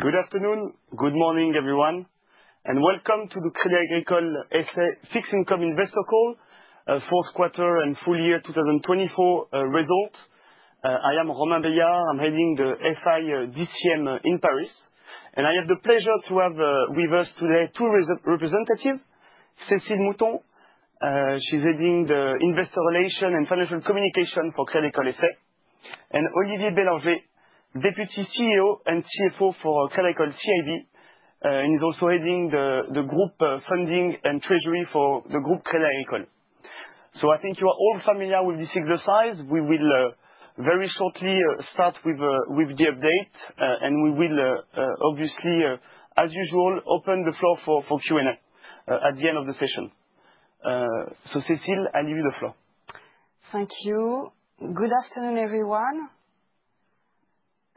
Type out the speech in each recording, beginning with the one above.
Good afternoon, good morning everyone, and welcome to the Crédit Agricole Fixed Income Investor Call for Q4 and Q2 2024 results. I am Romain Beillard, I'm heading the SI DCM in Paris, and I have the pleasure to have with us today two representatives: Cécile Mouton, she's heading the Investor Relations and Financial Communication for Crédit Agricole S.A., and Olivier Bélorgey, Deputy CEO and CFO for Crédit Agricole CIB, and he's also heading the Group Funding and Treasury for the Group Crédit Agricole. So I think you are all familiar with this exercise. We will very shortly start with the update, and we will obviously, as usual, open the floor for Q&A at the end of the session. So Cécile, I leave you the floor. Thank you. Good afternoon everyone.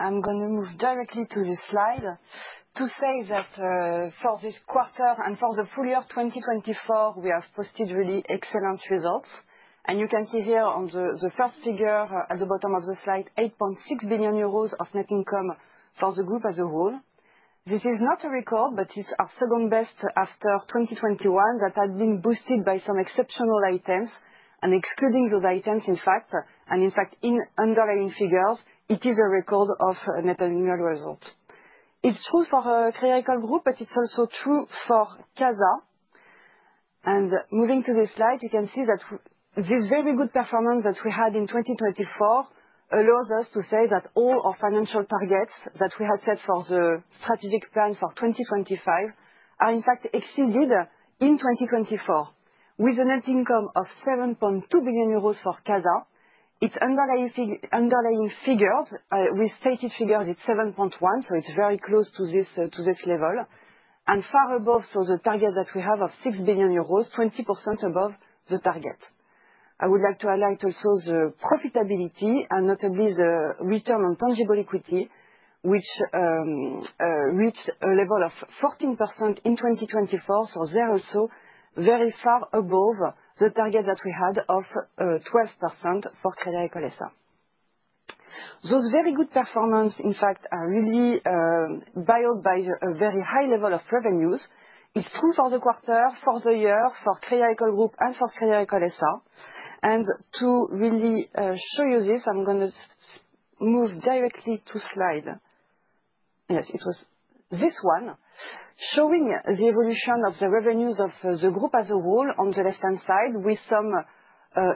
I'm going to move directly to the slide to say that for this quarter and for the full year 2024, we have posted really excellent results. And you can see here on the first figure at the bottom of the slide, 8.6 billion euros of net income for the Group as a whole. This is not a record, but it's our second best after 2021 that had been boosted by some exceptional items. And excluding those items, in fact, in underlying figures, it is a record of net annual result. It's true for Crédit Agricole Group, but it's also true for CASA. Moving to the slide, you can see that this very good performance that we had in 2024 allows us to say that all our financial targets that we had set for the strategic plan for 2025 are, in fact, exceeded in 2024. With a net income of 7.2 billion euros for CASA, its underlying figures. We stated figures, it's 7.1, so it's very close to this level, and far above the target that we have of 6 billion euros, 20% above the target. I would like to highlight also the profitability, and notably the return on tangible equity, which reached a level of 14% in 2024, so there also very far above the target that we had of 12% for Crédit Agricole SA. Those very good performances, in fact, are really backed by a very high level of revenues. It's true for the quarter, for the year, for Crédit Agricole Group and for Crédit Agricole S.A., and to really show you this, I'm going to move directly to slide. Yes, it was this one, showing the evolution of the revenues of the Group as a whole on the left-hand side with some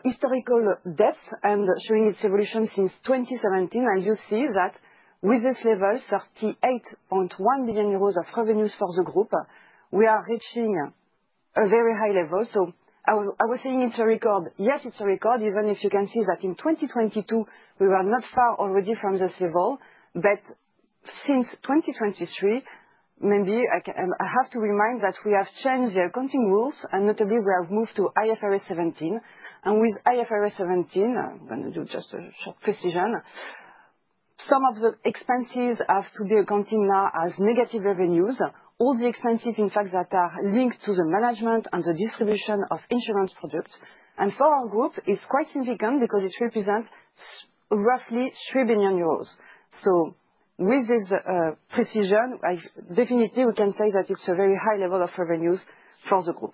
historical depth and showing its evolution since 2017. And you see that with this level, €38.1 billion of revenues for the Group, we are reaching a very high level, so I was saying it's a record. Yes, it's a record, even if you can see that in 2022, we were not far already from this level, but since 2023, maybe I have to remind that we have changed the accounting rules, and notably, we have moved to IFRS 17, and with IFRS 17, I'm going to do just a short precision. Some of the expenses have to be accounted now as negative revenues. All the expenses, in fact, that are linked to the management and the distribution of insurance products. And for our Group, it's quite significant because it represents roughly 3 billion euros. So with this precision, definitely, we can say that it's a very high level of revenues for the Group.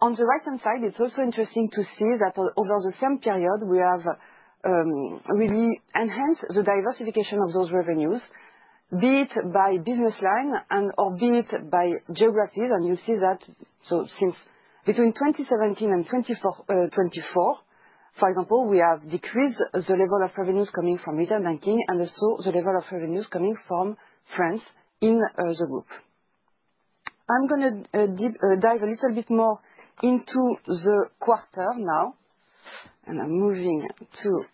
On the right-hand side, it's also interesting to see that over the same period, we have really enhanced the diversification of those revenues, be it by business line and or be it by geographies. And you see that between 2017 and 2024, for example, we have decreased the level of revenues coming from retail banking and also the level of revenues coming from France in the Group. I'm going to dive a little bit more into the quarter now, and I'm moving to.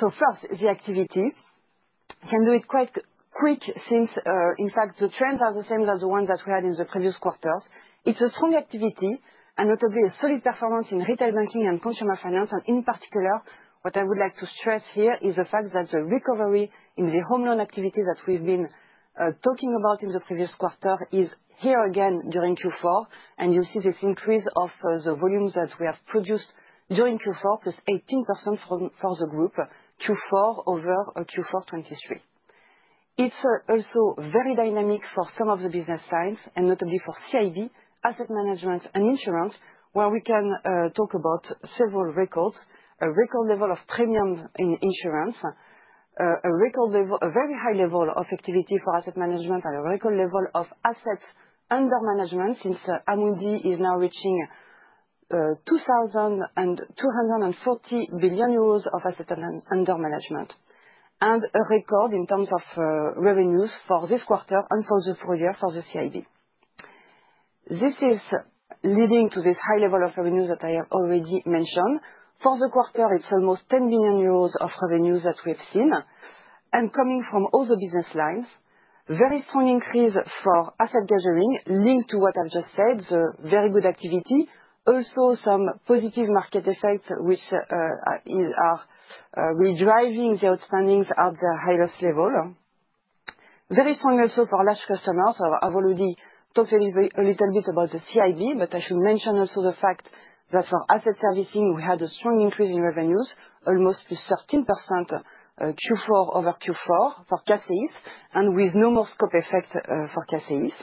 So first, the activity. I can do it quite quick since, in fact, the trends are the same as the ones that we had in the previous quarters. It's a strong activity and notably a solid performance in retail banking and consumer finance. In particular, what I would like to stress here is the fact that the recovery in the home loan activity that we've been talking about in the previous quarter is here again during Q4. You see this increase of the volumes that we have produced during Q4, plus 18% for the Group, Q4 over Q4 2023. It's also very dynamic for some of the business lines, and notably for CIB, Asset Management and Insurance, where we can talk about several records, a record level of premiums in insurance, a record level, a very high level of activity for Asset Management, and a record level of assets under management since Amundi is now reaching €2,240 billion of assets under management, and a record in terms of revenues for this quarter and for the full year for the CIB. This is leading to this high level of revenues that I have already mentioned. For the quarter, it's almost €10 billion of revenues that we have seen, and coming from all the business lines, very strong increase for asset gathering linked to what I've just said, the very good activity, also some positive market effects which are really driving the outstandings at the highest level. Very strong also for large customers. I've already talked a little bit about the CIB, but I should mention also the fact that for asset servicing, we had a strong increase in revenues, almost plus 13% Q4 over Q4 for CACEIS, and with no more scope effect for CACEIS.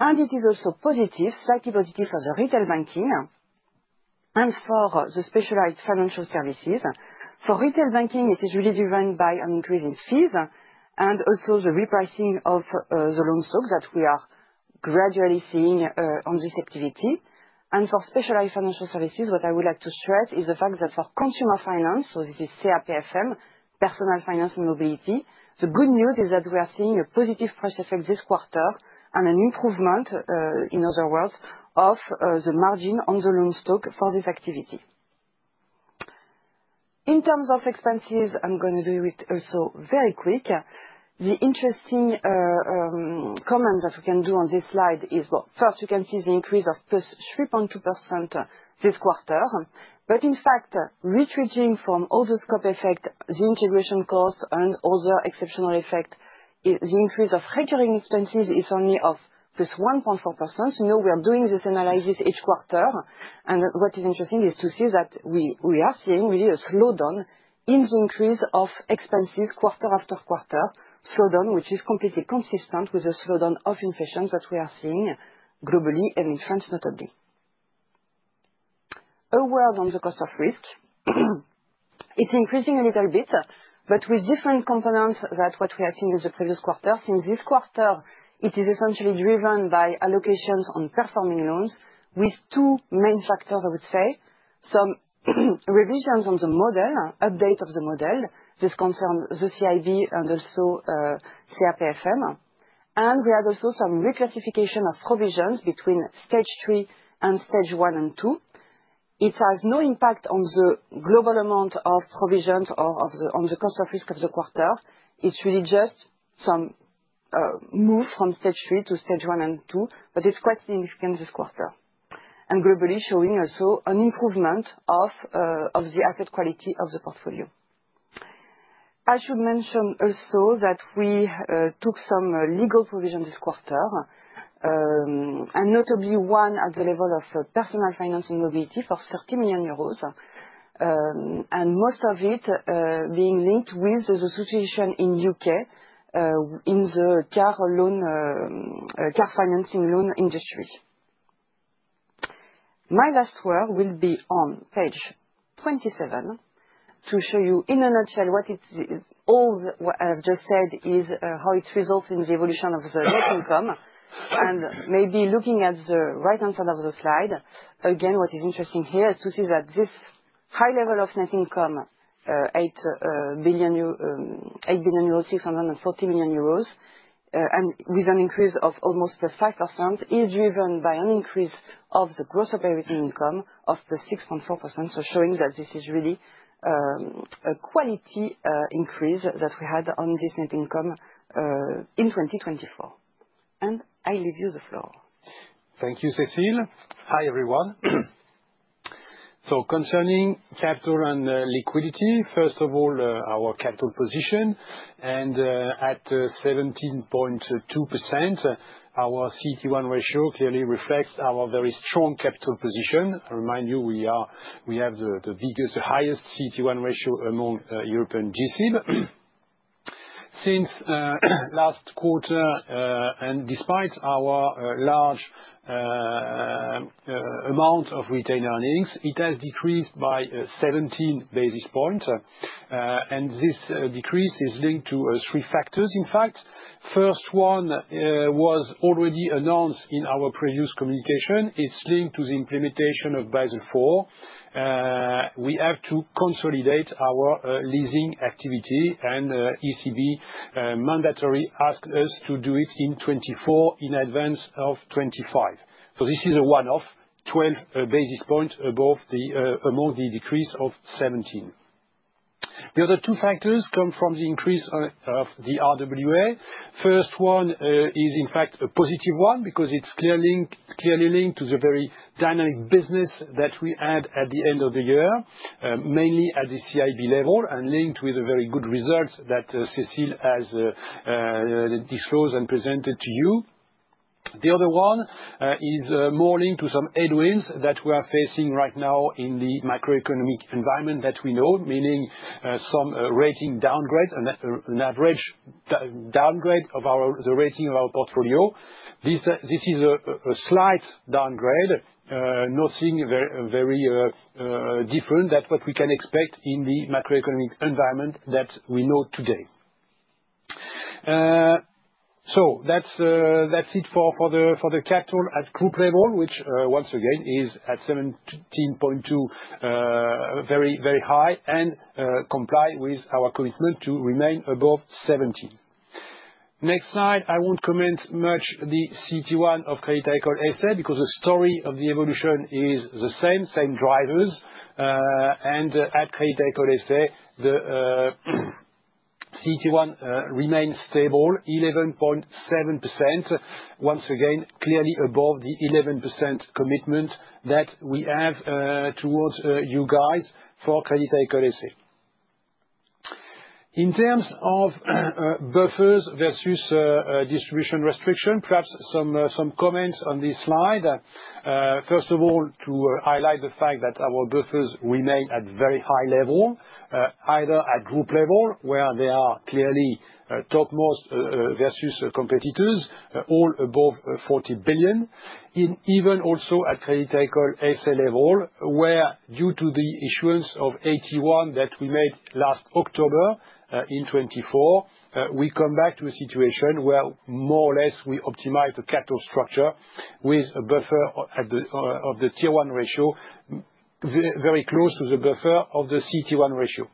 It is also positive, slightly positive for the retail banking and for the specialized financial services. For retail banking, it is really driven by an increase in fees and also the repricing of the loan stock that we are gradually seeing on this activity. For specialized financial services, what I would like to stress is the fact that for consumer finance, so this is CA PFM, Personal Finance and Mobility, the good news is that we are seeing a positive price effect this quarter and an improvement, in other words, of the margin on the loan stock for this activity. In terms of expenses, I'm going to do it also very quick. The interesting comments that we can do on this slide is, well, first, you can see the increase of plus 3.2% this quarter. But in fact, retreating from all the scope effect, the integration cost and other exceptional effect, the increase of recurring expenses is only of plus 1.4%. So now we are doing this analysis each quarter. And what is interesting is to see that we are seeing really a slowdown in the increase of expenses quarter after quarter, slowdown which is completely consistent with the slowdown of inflation that we are seeing globally and in France, notably. A word on the cost of risk. It's increasing a little bit, but with different components than what we had seen in the previous quarter. Since this quarter, it is essentially driven by allocations on performing loans with two main factors, I would say. Some revisions on the model, update of the model; this concerns the CIB and also CA PFM, and we had also some reclassification of provisions between Stage 3 and Stage 1 and 2. It has no impact on the global amount of provisions or on the cost of risk of the quarter. It's really just some move from Stage 3 to Stage 1 and 2, but it's quite significant this quarter, and globally showing also an improvement of the asset quality of the portfolio. I should mention also that we took some legal provisions this quarter, and notably one at the level of personal finance and mobility for €30 million, and most of it being linked with the situation in the U.K. in the car financing loan industry. My last word will be on page 27 to show you in a nutshell what it is. All what I've just said is how it results in the evolution of the Net Income. And maybe looking at the right-hand side of the slide, again, what is interesting here is to see that this high level of Net Income, 8 billion euros, 640 million euros, and with an increase of almost plus 5%, is driven by an increase of the Gross Operating Income of plus 6.4%, so showing that this is really a quality increase that we had on this Net Income in 2024, and I leave you the floor. Thank you, Cécile. Hi, everyone. Concerning capital and liquidity, first of all, our capital position, and at 17.2%, our CET1 ratio clearly reflects our very strong capital position. I remind you, we have the biggest, the highest CET1 ratio among European G-SIBs. Since last quarter, and despite our large amount of retained earnings, it has decreased by 17 basis points. This decrease is linked to three factors, in fact. First one was already announced in our previous communication. It's linked to the implementation of Basel IV. We have to consolidate our leasing activity, and ECB mandatory asked us to do it in 2024 in advance of 2025. This is a one-off, 12 basis points out of the decrease of 17. The other two factors come from the increase of the RWA. First one is, in fact, a positive one because it's clearly linked to the very dynamic business that we had at the end of the year, mainly at the CIB level, and linked with the very good results that Cécile has disclosed and presented to you. The other one is more linked to some headwinds that we are facing right now in the macroeconomic environment that we know, meaning some rating downgrades, an average downgrade of the rating of our portfolio. This is a slight downgrade, nothing very different than what we can expect in the macroeconomic environment that we know today. So that's it for the capital at Group level, which once again is at 17.2, very, very high, and comply with our commitment to remain above 17. Next slide. I won't comment much on the CET1 of Crédit Agricole S.A. because the story of the evolution is the same, same drivers, and at Crédit Agricole S.A., the CET1 remains stable, 11.7%, once again, clearly above the 11% commitment that we have towards you guys for Crédit Agricole S.A. In terms of buffers versus distribution restriction, perhaps some comments on this slide. First of all, to highlight the fact that our buffers remain at very high level, either at Group level, where they are clearly topmost versus competitors, all above €40 billion, even also at Crédit Agricole S.A. level, where due to the issuance of AT1 that we made last October in 2024, we come back to a situation where more or less we optimize the capital structure with a buffer of the Tier 1 ratio very close to the buffer of the CET1 ratio.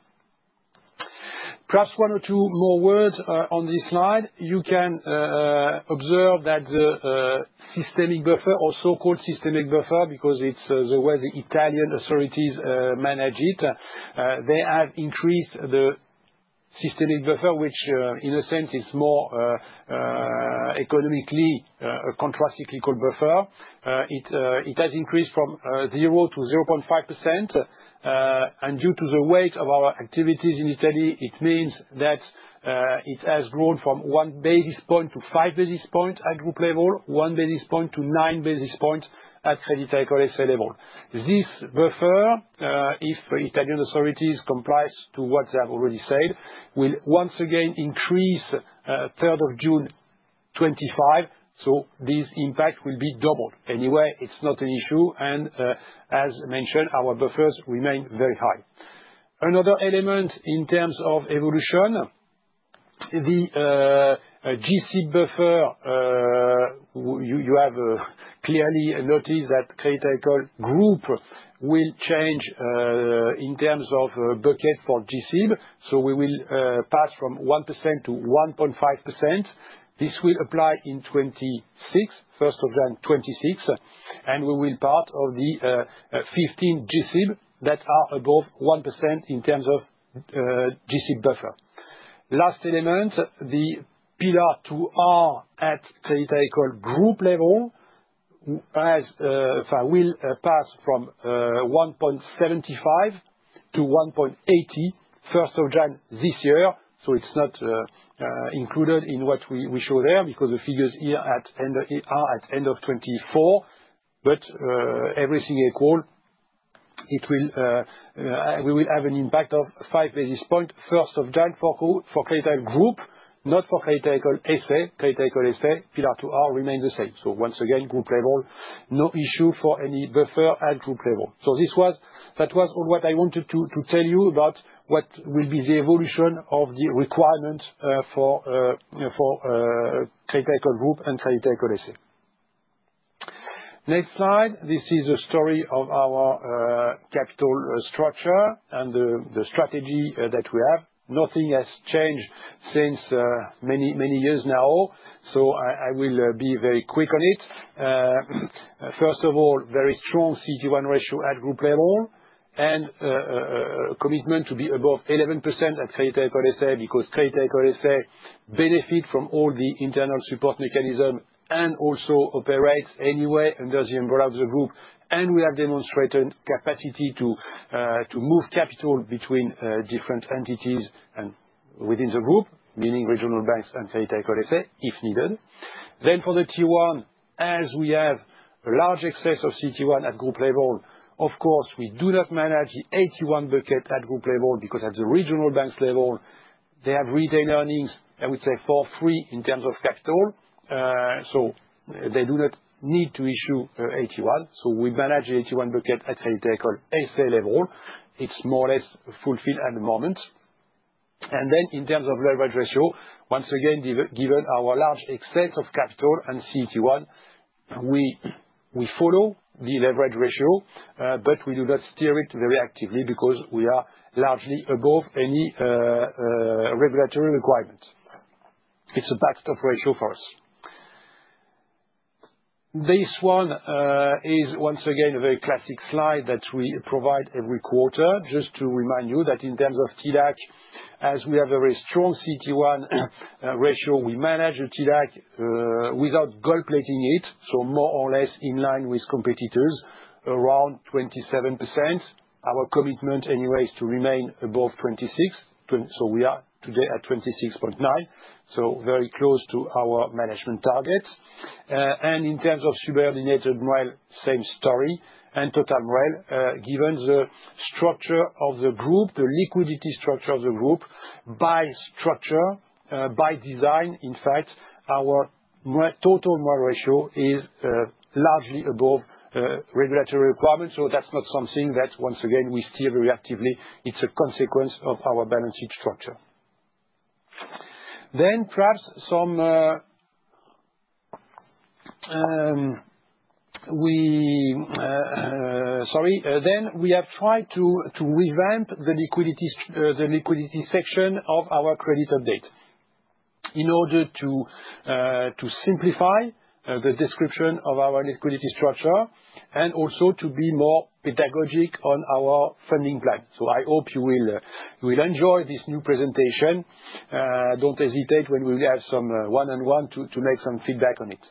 Perhaps one or two more words on this slide. You can observe that the systemic buffer, or so-called systemic buffer, because it's the way the Italian authorities manage it, they have increased the systemic buffer, which in a sense is more economically a countercyclical buffer. It has increased from 0% to 0.5%. And due to the weight of our activities in Italy, it means that it has grown from one basis point to five basis points at Group level, one basis point to nine basis points at Crédit Agricole S.A. level. This buffer, if Italian authorities comply to what they have already said, will once again increase third of June 2025. So this impact will be doubled. Anyway, it's not an issue. And as mentioned, our buffers remain very high. Another element in terms of evolution, the G-SIB buffer, you have clearly noticed that Crédit Agricole Group will change in terms of bucket for G-SIB, so we will pass from 1% to 1.5%. This will apply in 2026, first of June 2026, and we will be part of the 15 G-SIBs that are above 1% in terms of G-SIB buffer. Last element, the Pillar 2R at Crédit Agricole Group level will pass from 1.75% to 1.80% first of June this year, so it's not included in what we show there because the figures are at end of 2024. But everything equal, we will have an impact of five basis points first of June for Crédit Agricole Group, not for Crédit Agricole S.A. Crédit Agricole S.A., Pillar 2R remains the same, so once again, Group level, no issue for any buffer at Group level. So that was all what I wanted to tell you about what will be the evolution of the requirements for Crédit Agricole Group and Crédit Agricole SA. Next slide. This is the story of our capital structure and the strategy that we have. Nothing has changed since many, many years now. So I will be very quick on it. First of all, very strong CET1 ratio at Group level and commitment to be above 11% at Crédit Agricole SA because Crédit Agricole SA benefits from all the internal support mechanisms and also operates anyway under the umbrella of the group, and we have demonstrated capacity to move capital between different entities and within the group, meaning regional banks and Crédit Agricole SA if needed. Then for the Tier 1, as we have a large excess of CET1 at Group level, of course, we do not manage the AT1 bucket at Group level because at the regional banks level, they have retained earnings, I would say, for free in terms of capital. So they do not need to issue AT1. So we manage the AT1 bucket at Crédit Agricole S.A. level. It's more or less fulfilled at the moment. And then in terms of leverage ratio, once again, given our large excess of capital and CET1, we follow the leverage ratio, but we do not steer it very actively because we are largely above any regulatory requirements. It's a backstop ratio for us. This one is once again a very classic slide that we provide every quarter. Just to remind you that in terms of TLAC, as we have a very strong CET1 ratio, we manage the TLAC without gold plating it. So more or less in line with competitors, around 27%. Our commitment anyway is to remain above 26%. So we are today at 26.9%, so very close to our management target. And in terms of subordinated MREL, same story. And total MREL, given the structure of the group, the liquidity structure of the group, by structure, by design, in fact, our total MREL ratio is largely above regulatory requirements. So that's not something that, once again, we steer very actively. It's a consequence of our balance sheet structure. Then we have tried to revamp the liquidity section of our credit update in order to simplify the description of our liquidity structure and also to be more pedagogic on our funding plan. I hope you will enjoy this new presentation. Don't hesitate when we have some one-on-one to make some feedback on it.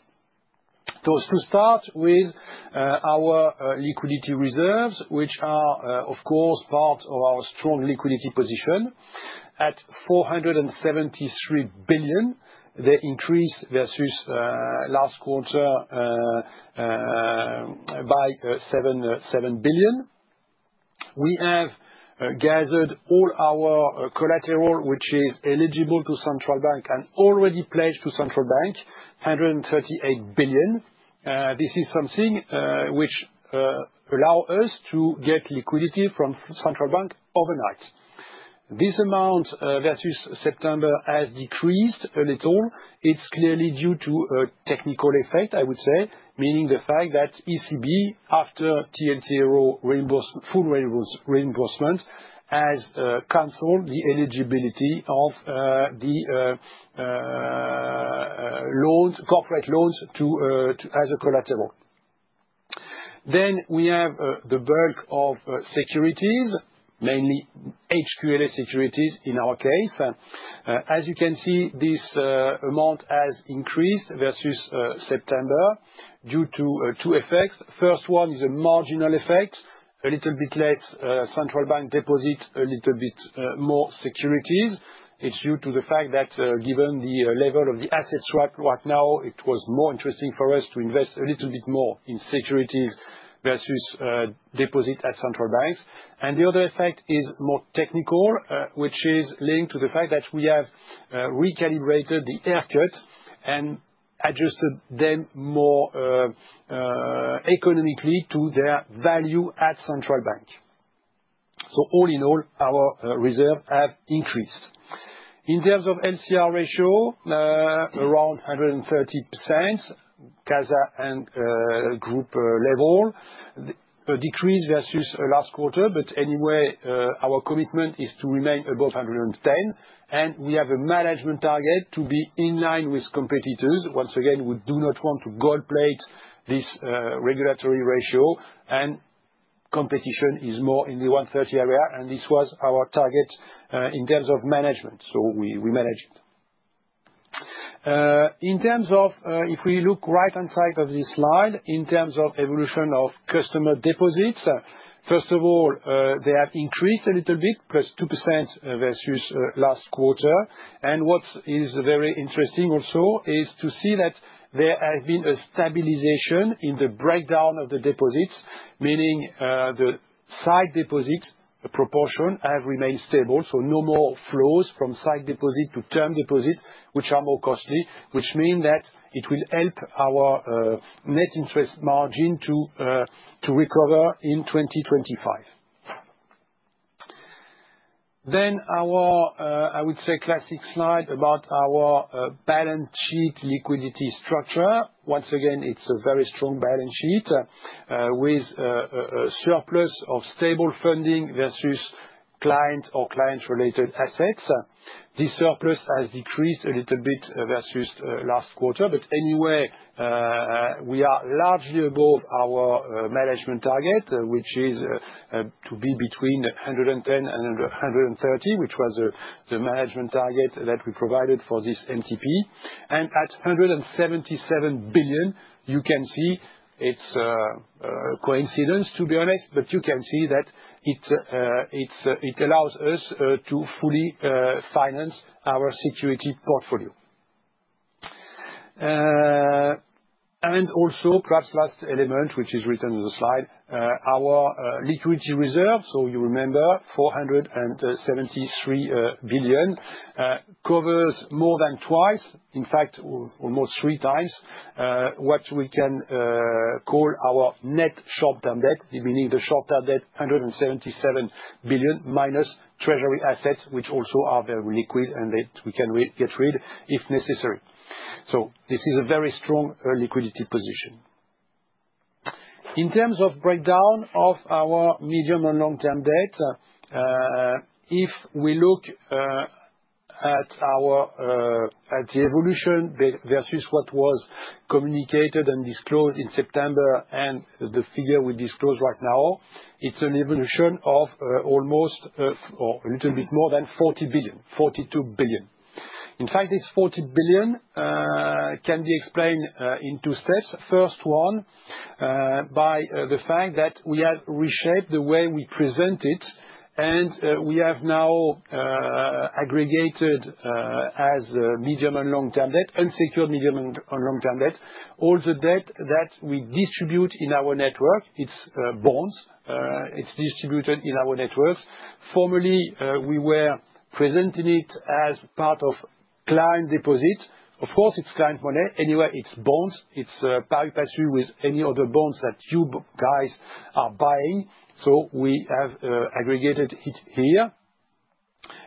To start with our liquidity reserves, which are, of course, part of our strong liquidity position at 473 billion. The increase versus last quarter by 7 billion. We have gathered all our collateral, which is eligible to central bank and already pledged to central bank, 138 billion. This is something which allows us to get liquidity from central bank overnight. This amount versus September has decreased a little. It's clearly due to a technical effect, I would say, meaning the fact that ECB, after TLTRO full reimbursement, has canceled the eligibility of the corporate loans as a collateral. Then we have the bulk of securities, mainly HQLA securities in our case. As you can see, this amount has increased versus September due to two effects. First one is a marginal effect, a little bit less central bank deposit, a little bit more securities. It's due to the fact that given the level of the asset swap right now, it was more interesting for us to invest a little bit more in securities versus deposit at central banks, and the other effect is more technical, which is linked to the fact that we have recalibrated the haircut and adjusted them more economically to their value at central bank, so all in all, our reserves have increased. In terms of LCR ratio, around 130%, CASA and Group level, decreased versus last quarter, but anyway, our commitment is to remain above 110, and we have a management target to be in line with competitors. Once again, we do not want to gold plate this regulatory ratio, and competition is more in the 130 area. This was our target in terms of management. We manage it. In terms of if we look right-hand side of this slide, in terms of evolution of customer deposits, first of all, they have increased a little bit, plus 2% versus last quarter. What is very interesting also is to see that there has been a stabilization in the breakdown of the deposits, meaning the sight deposit proportion has remained stable. No more flows from sight deposit to term deposit, which are more costly, which means that it will help our net interest margin to recover in 2025. Our, I would say, classic slide about our balance sheet liquidity structure. Once again, it's a very strong balance sheet with a surplus of stable funding versus client or client-related assets. This surplus has decreased a little bit versus last quarter. But anyway, we are largely above our management target, which is to be between 110 and 130, which was the management target that we provided for this MTP. And at €177 billion, you can see it's a coincidence, to be honest, but you can see that it allows us to fully finance our security portfolio. And also, perhaps last element, which is written in the slide, our liquidity reserve. So you remember €473 billion covers more than twice, in fact, almost three times what we can call our net short-term debt, meaning the short-term debt, €177 billion minus treasury assets, which also are very liquid and that we can get rid if necessary. So this is a very strong liquidity position. In terms of breakdown of our medium and long-term debt, if we look at the evolution versus what was communicated and disclosed in September and the figure we disclose right now, it's an evolution of almost a little bit more than 40 billion, 42 billion. In fact, this 40 billion can be explained in two steps. First one, by the fact that we have reshaped the way we present it. And we have now aggregated as medium and long-term debt and secured medium and long-term debt, all the debt that we distribute in our network. It's bonds. It's distributed in our networks. Formerly, we were presenting it as part of client deposit. Of course, it's client money. Anyway, it's bonds. It's pari passu with any other bonds that you guys are buying. So we have aggregated it here.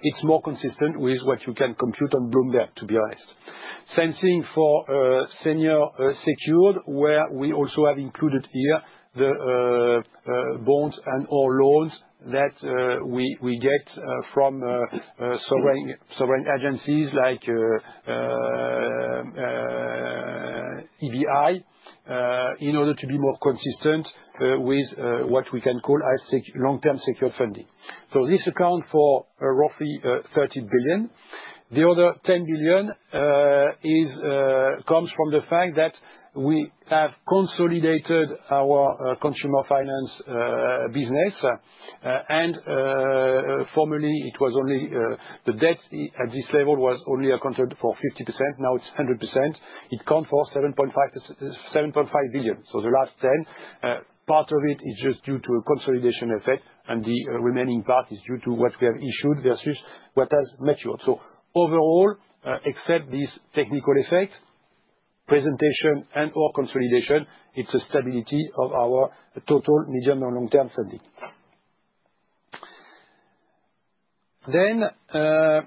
It's more consistent with what you can compute on Bloomberg, to be honest. Same thing for senior secured, where we also have included here the bonds and all loans that we get from sovereign agencies like EIB in order to be more consistent with what we can call long-term secured funding. So this accounts for roughly €30 billion. The other €10 billion comes from the fact that we have consolidated our consumer finance business. And formerly, the debt at this level was only accounted for 50%. Now it's 100%. It accounts for €7.5 billion. So the last 10, part of it is just due to a consolidation effect. And the remaining part is due to what we have issued versus what has matured. So overall, except these technical effects, presentation and/or consolidation, it's a stability of our total medium and long-term funding. Then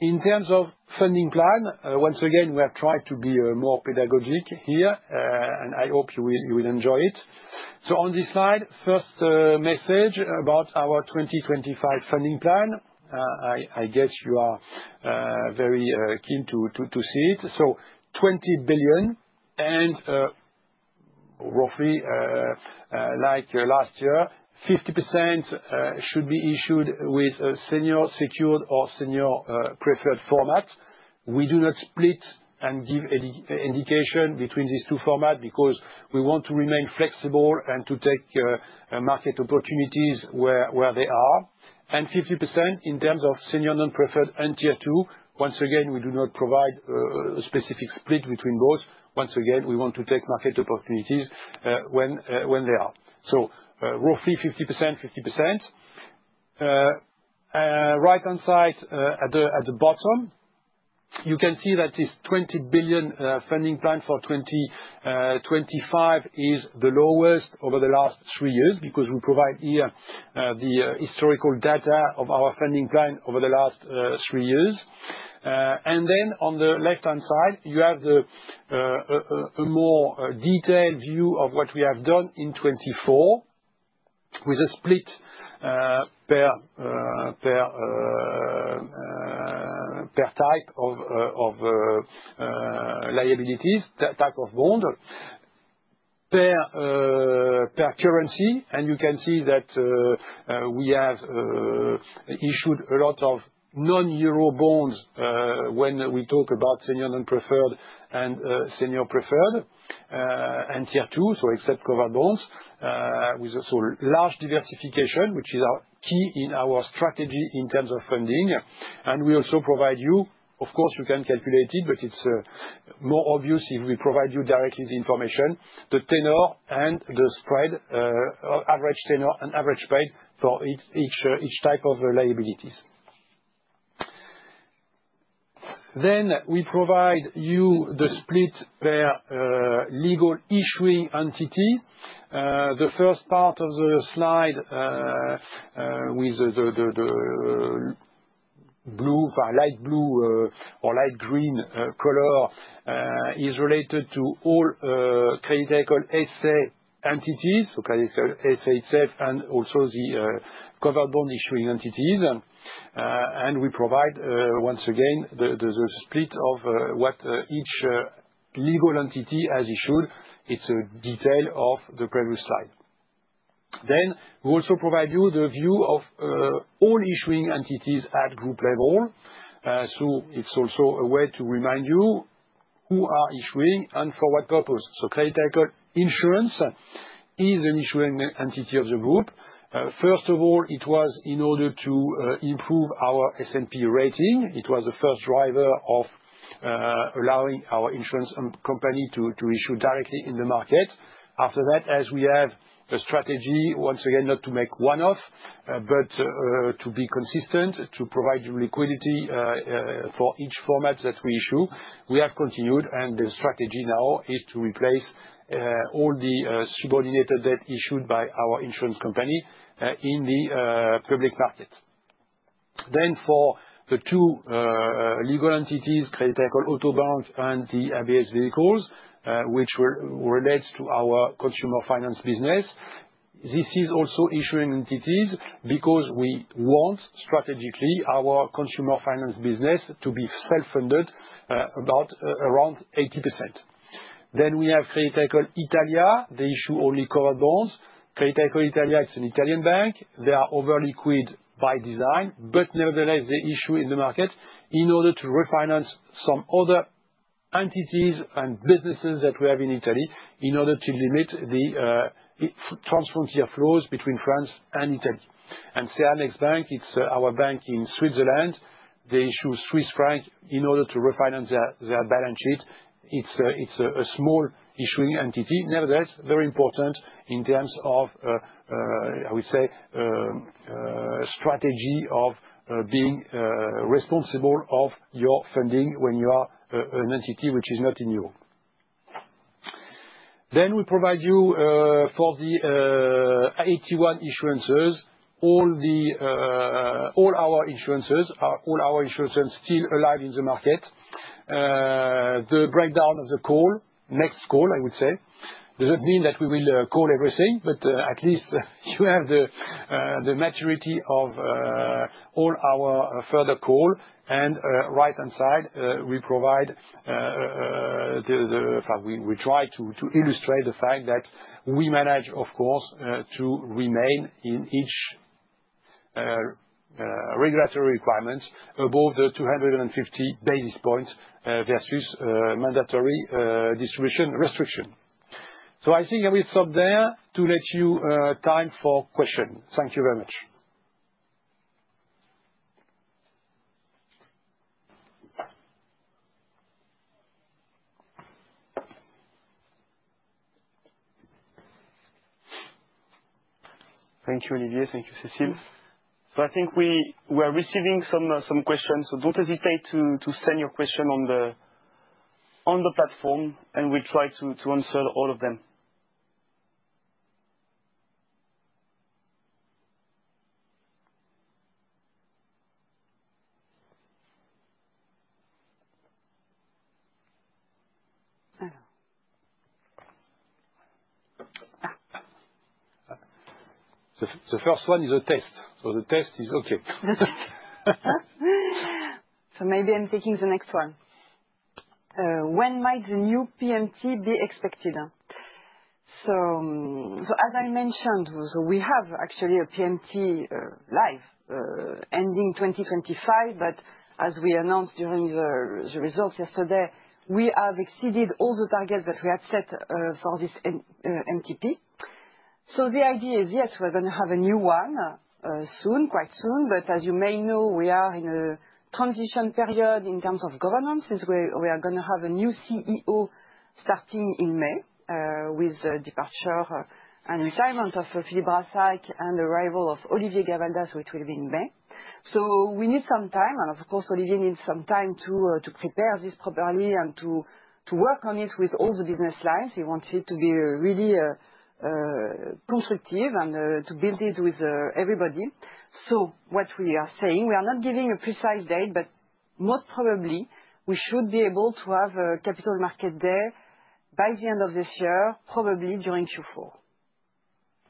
in terms of funding plan, once again, we have tried to be more pedagogic here. And I hope you will enjoy it. So on this slide, first message about our 2025 funding plan. I guess you are very keen to see it. So 20 billion. And roughly, like last year, 50% should be issued with senior secured or senior preferred format. We do not split and give indication between these two formats because we want to remain flexible and to take market opportunities where they are. And 50% in terms of senior non-preferred and Tier 2. Once again, we do not provide a specific split between those. Once again, we want to take market opportunities when they are. So roughly 50%, 50%. Right-hand side at the bottom, you can see that this 20 billion funding plan for 2025 is the lowest over the last three years because we provide here the historical data of our funding plan over the last three years. And then on the left-hand side, you have a more detailed view of what we have done in 2024 with a split per type of liabilities, type of bond, per currency. And you can see that we have issued a lot of non-Euro bonds when we talk about senior non-preferred and senior preferred and Tier 2, so except covered bonds. So large diversification, which is key in our strategy in terms of funding. And we also provide you, of course, you can calculate it, but it's more obvious if we provide you directly the information, the tenor and the spread, average tenor and average spread for each type of liabilities. Then we provide you the split per legal issuing entity. The first part of the slide with the light blue or light green color is related to all Crédit Agricole S.A. entities, so Crédit Agricole S.A. itself and also the covered bond issuing entities. And we provide, once again, the split of what each legal entity has issued. It's a detail of the previous slide. Then we also provide you the view of all issuing entities at group level. So it's also a way to remind you who are issuing and for what purpose. So Crédit Agricole insurance is an issuing entity of the group. First of all, it was in order to improve our S&P rating. It was the first driver of allowing our insurance company to issue directly in the market. After that, as we have a strategy, once again, not to make one-off, but to be consistent, to provide you liquidity for each format that we issue, we have continued. The strategy now is to replace all the subordinated debt issued by our insurance company in the public market. For the two legal entities, CA Auto Bank and the ABS vehicles, which relates to our consumer finance business, this is also issuing entities because we want strategically our consumer finance business to be self-funded about around 80%. We have Crédit Agricole Italia. They issue only covered bonds. Crédit Agricole Italia, it's an Italian bank. They are overliquid by design, but nevertheless, they issue in the market in order to refinance some other entities and businesses that we have in Italy in order to limit the transfrontier flows between France and Italy. CA next bank, it's our bank in Switzerland. They issue Swiss francs in order to refinance their balance sheet. It's a small issuing entity. Nevertheless, very important in terms of, I would say, strategy of being responsible of your funding when you are an entity which is not in Europe. Then we provide you for the 81 issuances. All our issuances are still alive in the market. The breakdown of the call, next call, I would say. Does it mean that we will call everything? But at least you have the maturity of all our further call. And right-hand side, we provide. We try to illustrate the fact that we manage, of course, to remain in each regulatory requirements above the 250 basis points versus mandatory distribution restriction. So I think I will stop there to let you time for questions. Thank you very much. Thank you, Olivier. Thank you, Cécile. So I think we are receiving some questions. So don't hesitate to send your question on the platform, and we'll try to answer all of them. The first one is a test. So the test is okay. So maybe I'm taking the next one. When might the new MTP be expected? So as I mentioned, we have actually a MTP live ending 2025. But as we announced during the results yesterday, we have exceeded all the targets that we had set for this MTP. So the idea is, yes, we're going to have a new one soon, quite soon. But as you may know, we are in a transition period in terms of governance since we are going to have a new CEO starting in May with the departure and retirement of Philippe Brassac and the arrival of Olivier Gavalda. So it will be in May. So we need some time. And of course, Olivier needs some time to prepare this properly and to work on it with all the business lines. He wants it to be really constructive and to build it with everybody. So what we are saying, we are not giving a precise date, but most probably, we should be able to have a capital market day by the end of this year, probably during Q4.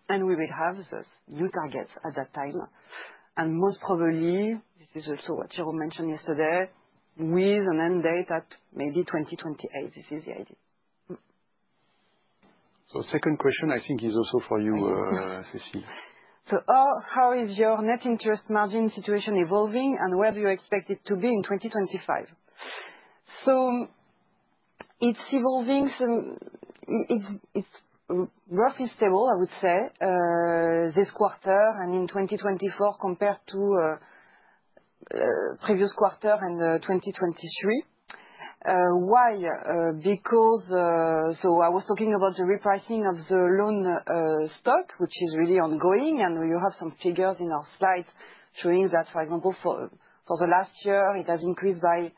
And we will have those new targets at that time. And most probably, this is also what Jérôme mentioned yesterday, with an end date at maybe 2028. This is the idea. So second question, I think, is also for you, Cécile. So how is your net interest margin situation evolving, and where do you expect it to be in 2025? So it's evolving. It's roughly stable, I would say, this quarter and in 2024 compared to previous quarter and 2023. Why? Because I was talking about the repricing of the loan stock, which is really ongoing. And you have some figures in our slides showing that, for example, for the last year, it has increased by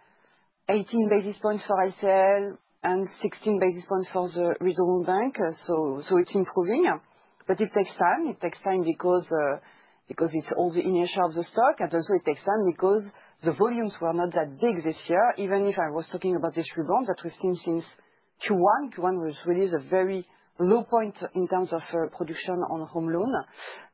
18 basis points for LCL and 16 basis points for the regional banks. So it's improving. But it takes time. It takes time because it's the entirety of the stock. And also, it takes time because the volumes were not that big this year, even if I was talking about this rebound that we've seen since Q1. Q1 was really a very low point in terms of production on home loan.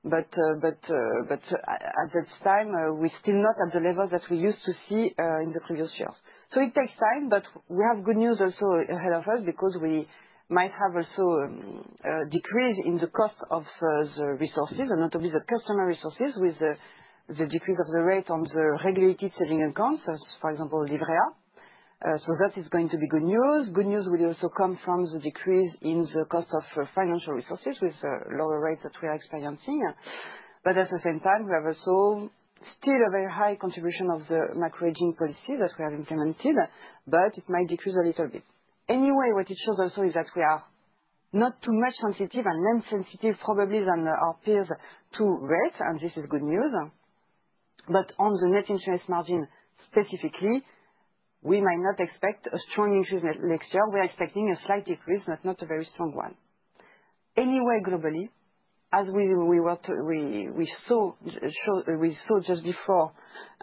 But at this time, we're still not at the levels that we used to see in the previous years. So it takes time. But we have good news also ahead of us because we might have also a decrease in the cost of the resources, and not only the customer resources, with the decrease of the rate on the regulated savings accounts, for example, Livret A. So that is going to be good news. Good news will also come from the decrease in the cost of financial resources with the lower rates that we are experiencing. But at the same time, we have also still a very high contribution of the macro-hedging policies that we have implemented, but it might decrease a little bit. Anyway, what it shows also is that we are not too much sensitive and less sensitive probably than our peers to rate. And this is good news. But on the net interest margin specifically, we might not expect a strong increase next year. We are expecting a slight decrease, but not a very strong one. Anyway, globally, as we saw just before,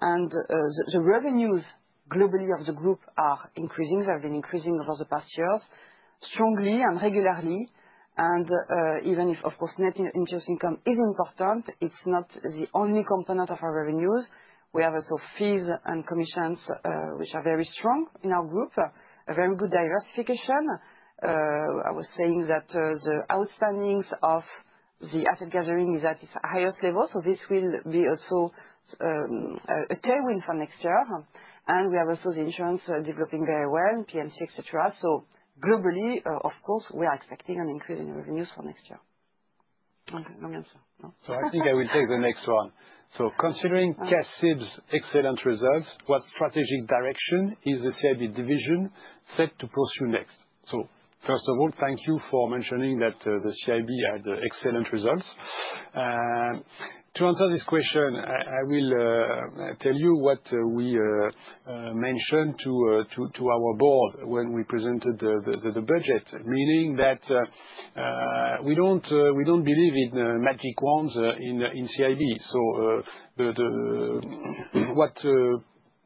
and the revenues globally of the group are increasing. They have been increasing over the past years strongly and regularly. And even if, of course, net interest income is important, it's not the only component of our revenues. We have also fees and commissions which are very strong in our group, a very good diversification. I was saying that the outstandings of the asset gathering is at its highest level. So this will be also a tailwind for next year. And we have also the insurance developing very well, P&C, etc. So globally, of course, we are expecting an increase in revenues for next year. No. So I think I will take the next one. Considering CACIB's excellent results, what strategic direction is the CIB division set to pursue next? First of all, thank you for mentioning that the CIB had excellent results. To answer this question, I will tell you what we mentioned to our board when we presented the budget, meaning that we don't believe in magic wands in CIB. What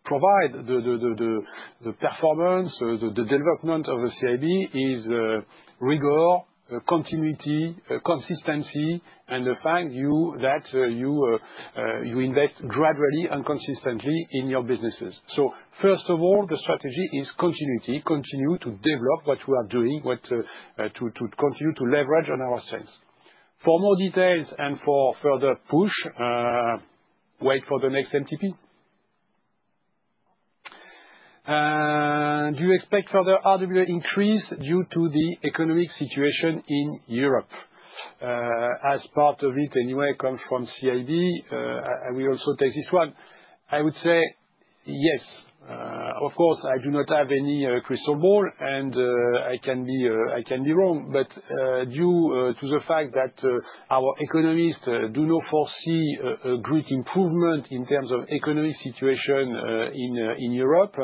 provides the performance, the development of the CIB is rigor, continuity, consistency, and the fact that you invest gradually and consistently in your businesses. First of all, the strategy is continuity, continue to develop what we are doing, to continue to leverage on our strengths. For more details and for further push, wait for the next MTP. Do you expect further RWA increase due to the economic situation in Europe? As part of it, anyway, comes from CIB, I will also take this one. I would say yes. Of course, I do not have any crystal ball, and I can be wrong. But due to the fact that our economists do not foresee a great improvement in terms of economic situation in Europe,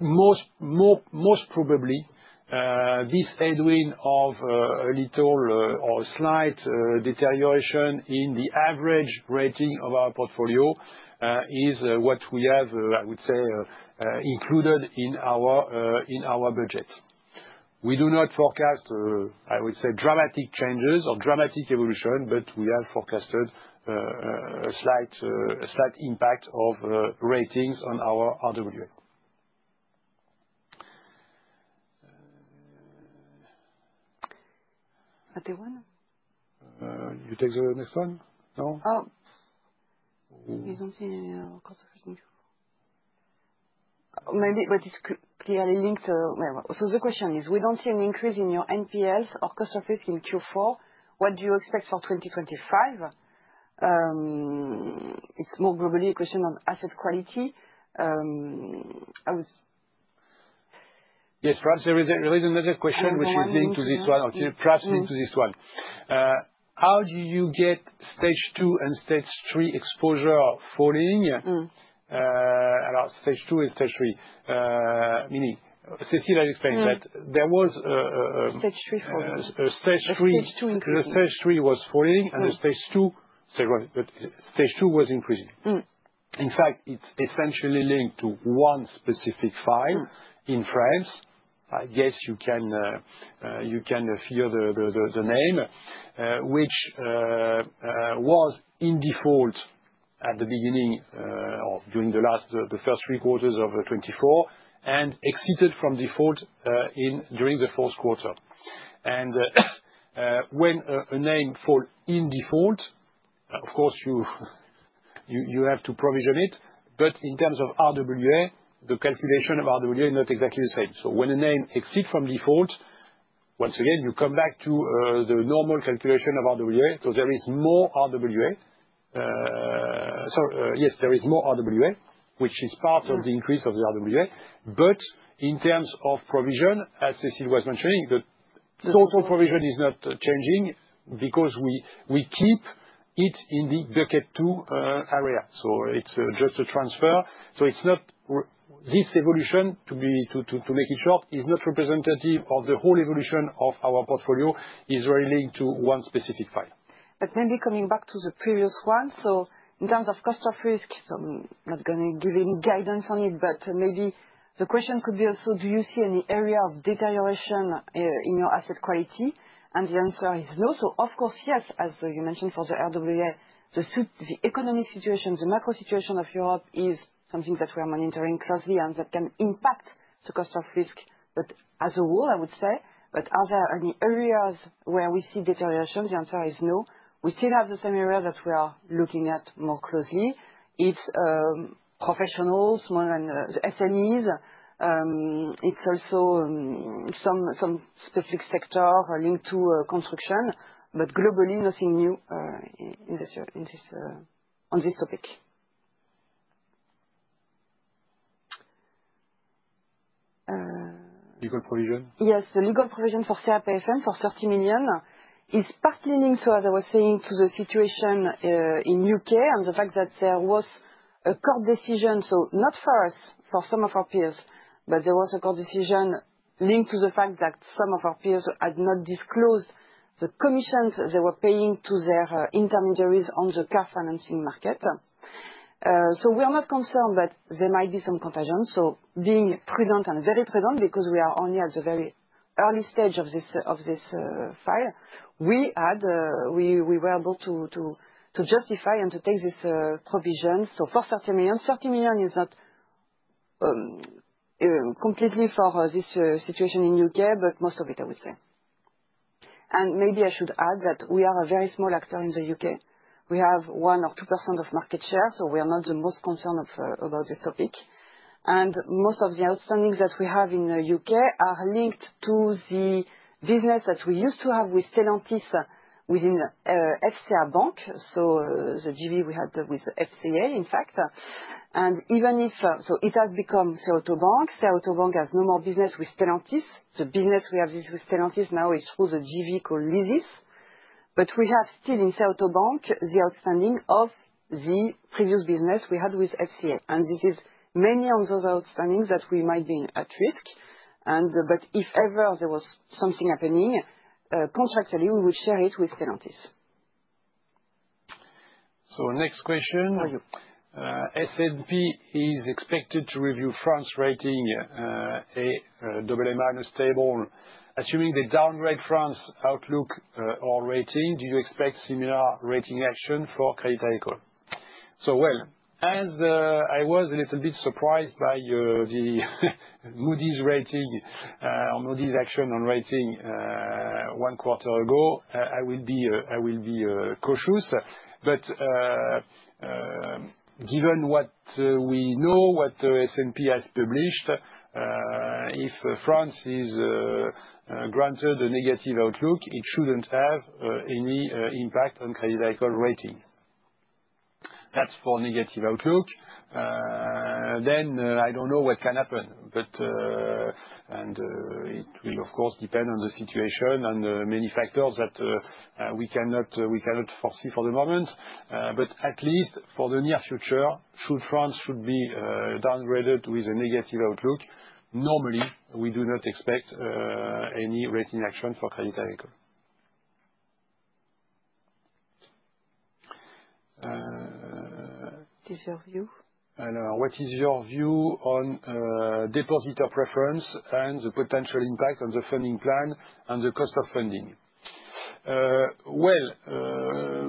most probably, this headwind of a little or slight deterioration in the average rating of our portfolio is what we have, I would say, included in our budget. We do not forecast, I would say, dramatic changes or dramatic evolution, but we have forecasted a slight impact of ratings on our RWA. Matteo? You take the next one. No. We don't see any cost of risk in Q4. Maybe, but it's clearly linked. So the question is, we don't see an increase in your NPLs or cost of risk in Q4. What do you expect for 2025? It's more globally a question on asset quality. Yes, perhaps there isn't really another question which is linked to this one, or perhaps linked to this one. How do you get Stage 2 and Stage 3 exposure falling? Stage 2 and Stage 3, meaning Cécile has explained that there was a Stage 3 falling. Stage three, Stage 2 increased. The Stage 3 was falling, and the Stage 2 was increasing. In fact, it's essentially linked to one specific file in France. I guess you can figure the name, which was in default at the beginning or during the first three quarters of 2024 and exited from default during the fourth quarter, and when a name falls in default, of course, you have to provision it. But in terms of RWA, the calculation of RWA is not exactly the same, so when a name exits from default, once again, you come back to the normal calculation of RWA. So there is more RWA. So yes, there is more RWA, which is part of the increase of the RWA. But in terms of provision, as Cécile was mentioning, the total provision is not changing because we keep it in the Pillar 2 area. So it's just a transfer. So this evolution, to make it short, is not representative of the whole evolution of our portfolio. It's very linked to one specific file. But maybe coming back to the previous one. So in terms of cost of risk, so I'm not going to give any guidance on it, but maybe the question could be also, do you see any area of deterioration in your asset quality? And the answer is no. So of course, yes, as you mentioned for the RWA, the economic situation, the macro situation of Europe is something that we are monitoring closely and that can impact the cost of risk. But as a rule, I would say, but are there any areas where we see deterioration? The answer is no. We still have the same area that we are looking at more closely. It's professionals, more than SMEs. It's also some specific sector linked to construction. But globally, nothing new on this topic. Legal provision? Yes, the legal provision for CAPFM for 30 million is partly linked, so as I was saying, to the situation in the U.K. and the fact that there was a court decision, so not for us, for some of our peers, but there was a court decision linked to the fact that some of our peers had not disclosed the commissions they were paying to their intermediaries on the car financing market. So we are not concerned that there might be some contagion. So being prudent and very prudent, because we are only at the very early stage of this file, we were able to justify and to take this provision. So for 30 million, 30 million is not completely for this situation in the U.K., but most of it, I would say. And maybe I should add that we are a very small actor in the U.K. We have 1% or 2% of market share, so we are not the most concerned about this topic. Most of the outstandings that we have in the U.K. are linked to the business that we used to have with Stellantis within FCA Bank. The JV we had with FCA, in fact. Even if so it has become CA Auto Bank. CA Auto Bank has no more business with Stellantis. The business we have with Stellantis now is through the JV called Leasys. We have still in CA Auto Bank the outstanding of the previous business we had with FCA. This is many of those outstandings that we might be at risk. If ever there was something happening, contractually, we would share it with Stellantis. Next question. For you. S&P is expected to review France's rating AA- stable. Assuming they downgrade France's outlook or rating, do you expect similar rating action for Crédit Agricole? So well, as I was a little bit surprised by the Moody's rating or Moody's action on rating one quarter ago, I will be cautious. But given what we know, what S&P has published, if France is granted a negative outlook, it shouldn't have any impact on Crédit Agricole rating. That's for negative outlook. Then I don't know what can happen. And it will, of course, depend on the situation and many factors that we cannot foresee for the moment. But at least for the near future, should France be downgraded with a negative outlook, normally, we do not expect any rating action for Crédit Agricole. What is your view on depositor preference and the potential impact on the funding plan and the cost of funding?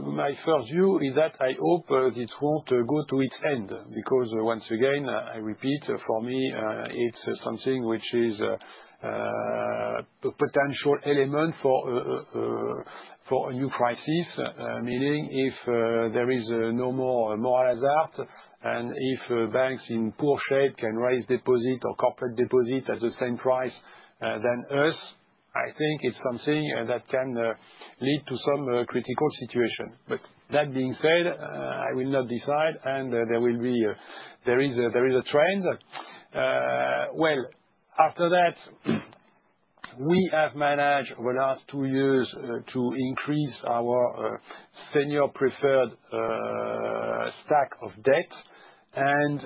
My first view is that I hope it won't go to its end because, once again, I repeat, for me, it's something which is a potential element for a new crisis, meaning if there is no more moral hazard and if banks in poor shape can raise deposit or corporate deposit at the same price than us, I think it's something that can lead to some critical situation, but that being said, I will not decide, and there will be a trend. After that, we have managed over the last two years to increase our senior preferred stack of debt, and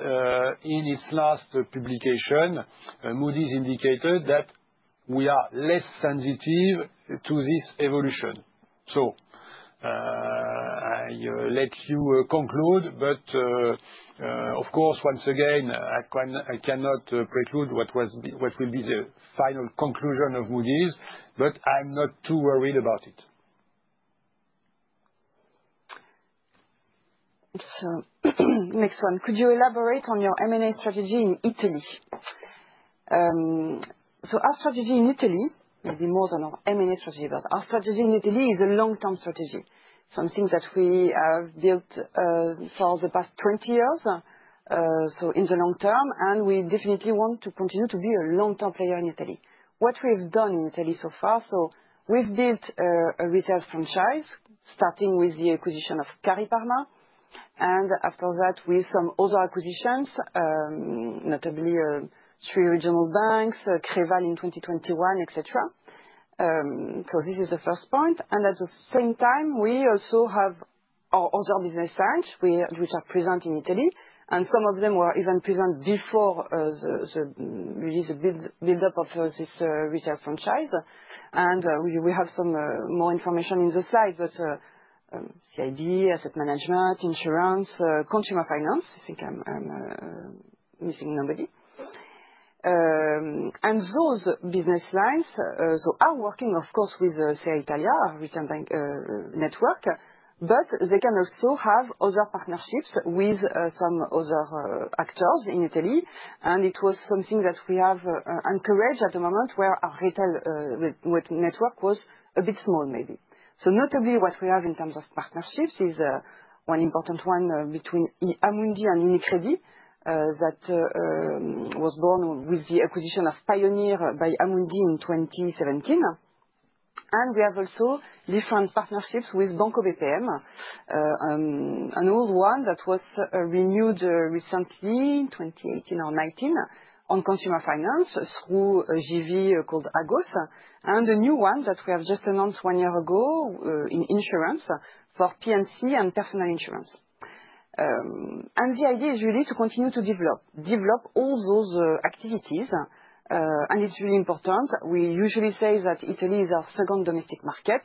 in its last publication, Moody's indicated that we are less sensitive to this evolution, so I let you conclude, but of course, once again, I cannot preclude what will be the final conclusion of Moody's, but I'm not too worried about it. Next one. Could you elaborate on your M&A strategy in Italy? So our strategy in Italy, maybe more than our M&A strategy, but our strategy in Italy is a long-term strategy, something that we have built for the past 20 years, so in the long term, and we definitely want to continue to be a long-term player in Italy. What we have done in Italy so far, so we've built a retail franchise starting with the acquisition of Cariparma. And after that, with some other acquisitions, notably three regional banks, Creval in 2021, etc. So this is the first point. And at the same time, we also have other business centers which are present in Italy, and some of them were even present before the build-up of this retail franchise. And we have some more information in the slides, but CIB, asset management, insurance, consumer finance, I think I'm missing nobody. Those business lines are working, of course, with CA Italia, our retail bank network, but they can also have other partnerships with some other actors in Italy. It was something that we have encouraged at the moment where our retail network was a bit small, maybe. Notably, what we have in terms of partnerships is one important one between Amundi and UniCredit that was born with the acquisition of Pioneer by Amundi in 2017. We have also different partnerships with Banco BPM, an old one that was renewed recently, 2018 or 2019, on consumer finance through a JV called Agos. The new one that we have just announced one year ago in insurance for P&C and personal insurance. The idea is really to continue to develop all those activities. It's really important. We usually say that Italy is our second domestic market.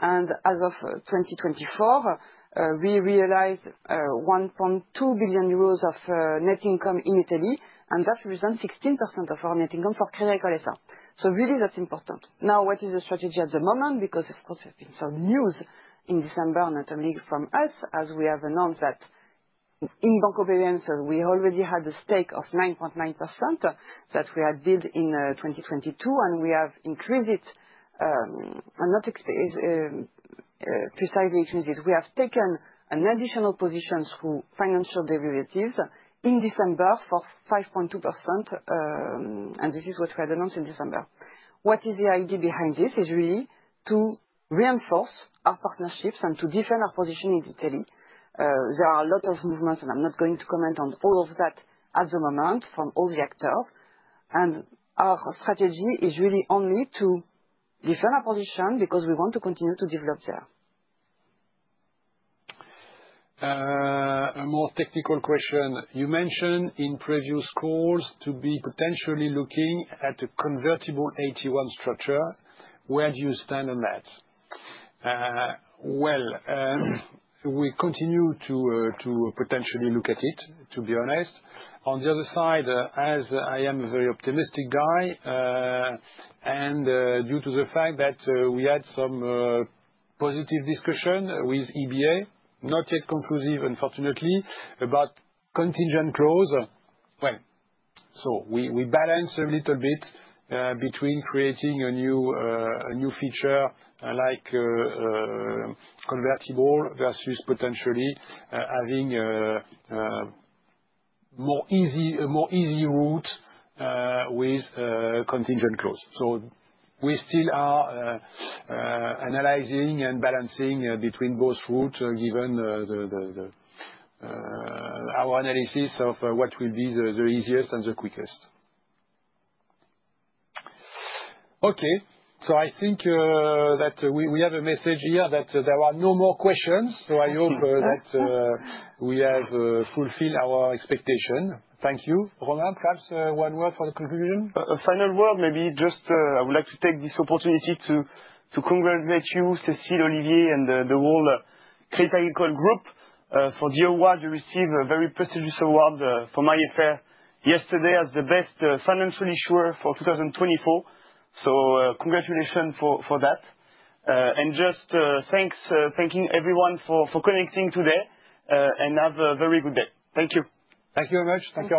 As of 2024, we realized 1.2 billion euros of net income in Italy, and that represents 16% of our net income for Crédit Agricole. So really, that's important. Now, what is the strategy at the moment? Because, of course, there's been some news in December, notably from us, as we have announced that in Banco BPM, so we already had a stake of 9.9% that we had built in 2022, and we have increased it, and not precisely increased it. We have taken an additional position through financial derivatives in December for 5.2%. This is what we had announced in December. What is the idea behind this is really to reinforce our partnerships and to defend our position in Italy. There are a lot of movements, and I'm not going to comment on all of that at the moment from all the actors. Our strategy is really only to defend our position because we want to continue to develop there. A more technical question. You mentioned in previous calls to be potentially looking at a convertible AT1 structure. Where do you stand on that? We continue to potentially look at it, to be honest. On the other side, as I am a very optimistic guy, and due to the fact that we had some positive discussion with EBA, not yet conclusive, unfortunately, about contingent clause. We balance a little bit between creating a new feature like convertible versus potentially having a more easy route with contingent clause. We still are analyzing and balancing between both routes given our analysis of what will be the easiest and the quickest. Okay. I think that we have a message here that there are no more questions. So I hope that we have fulfilled our expectation. Thank you. Romain, perhaps one word for the conclusion. A final word, maybe. Just, I would like to take this opportunity to congratulate you, Cécile, Olivier, and the whole Crédit Agricole Group for the award you received, a very prestigious award from IFR yesterday as the best financial issuer for 2024. So congratulations for that. And just thanks everyone for connecting today and have a very good day. Thank you. Thank you very much. Thank you.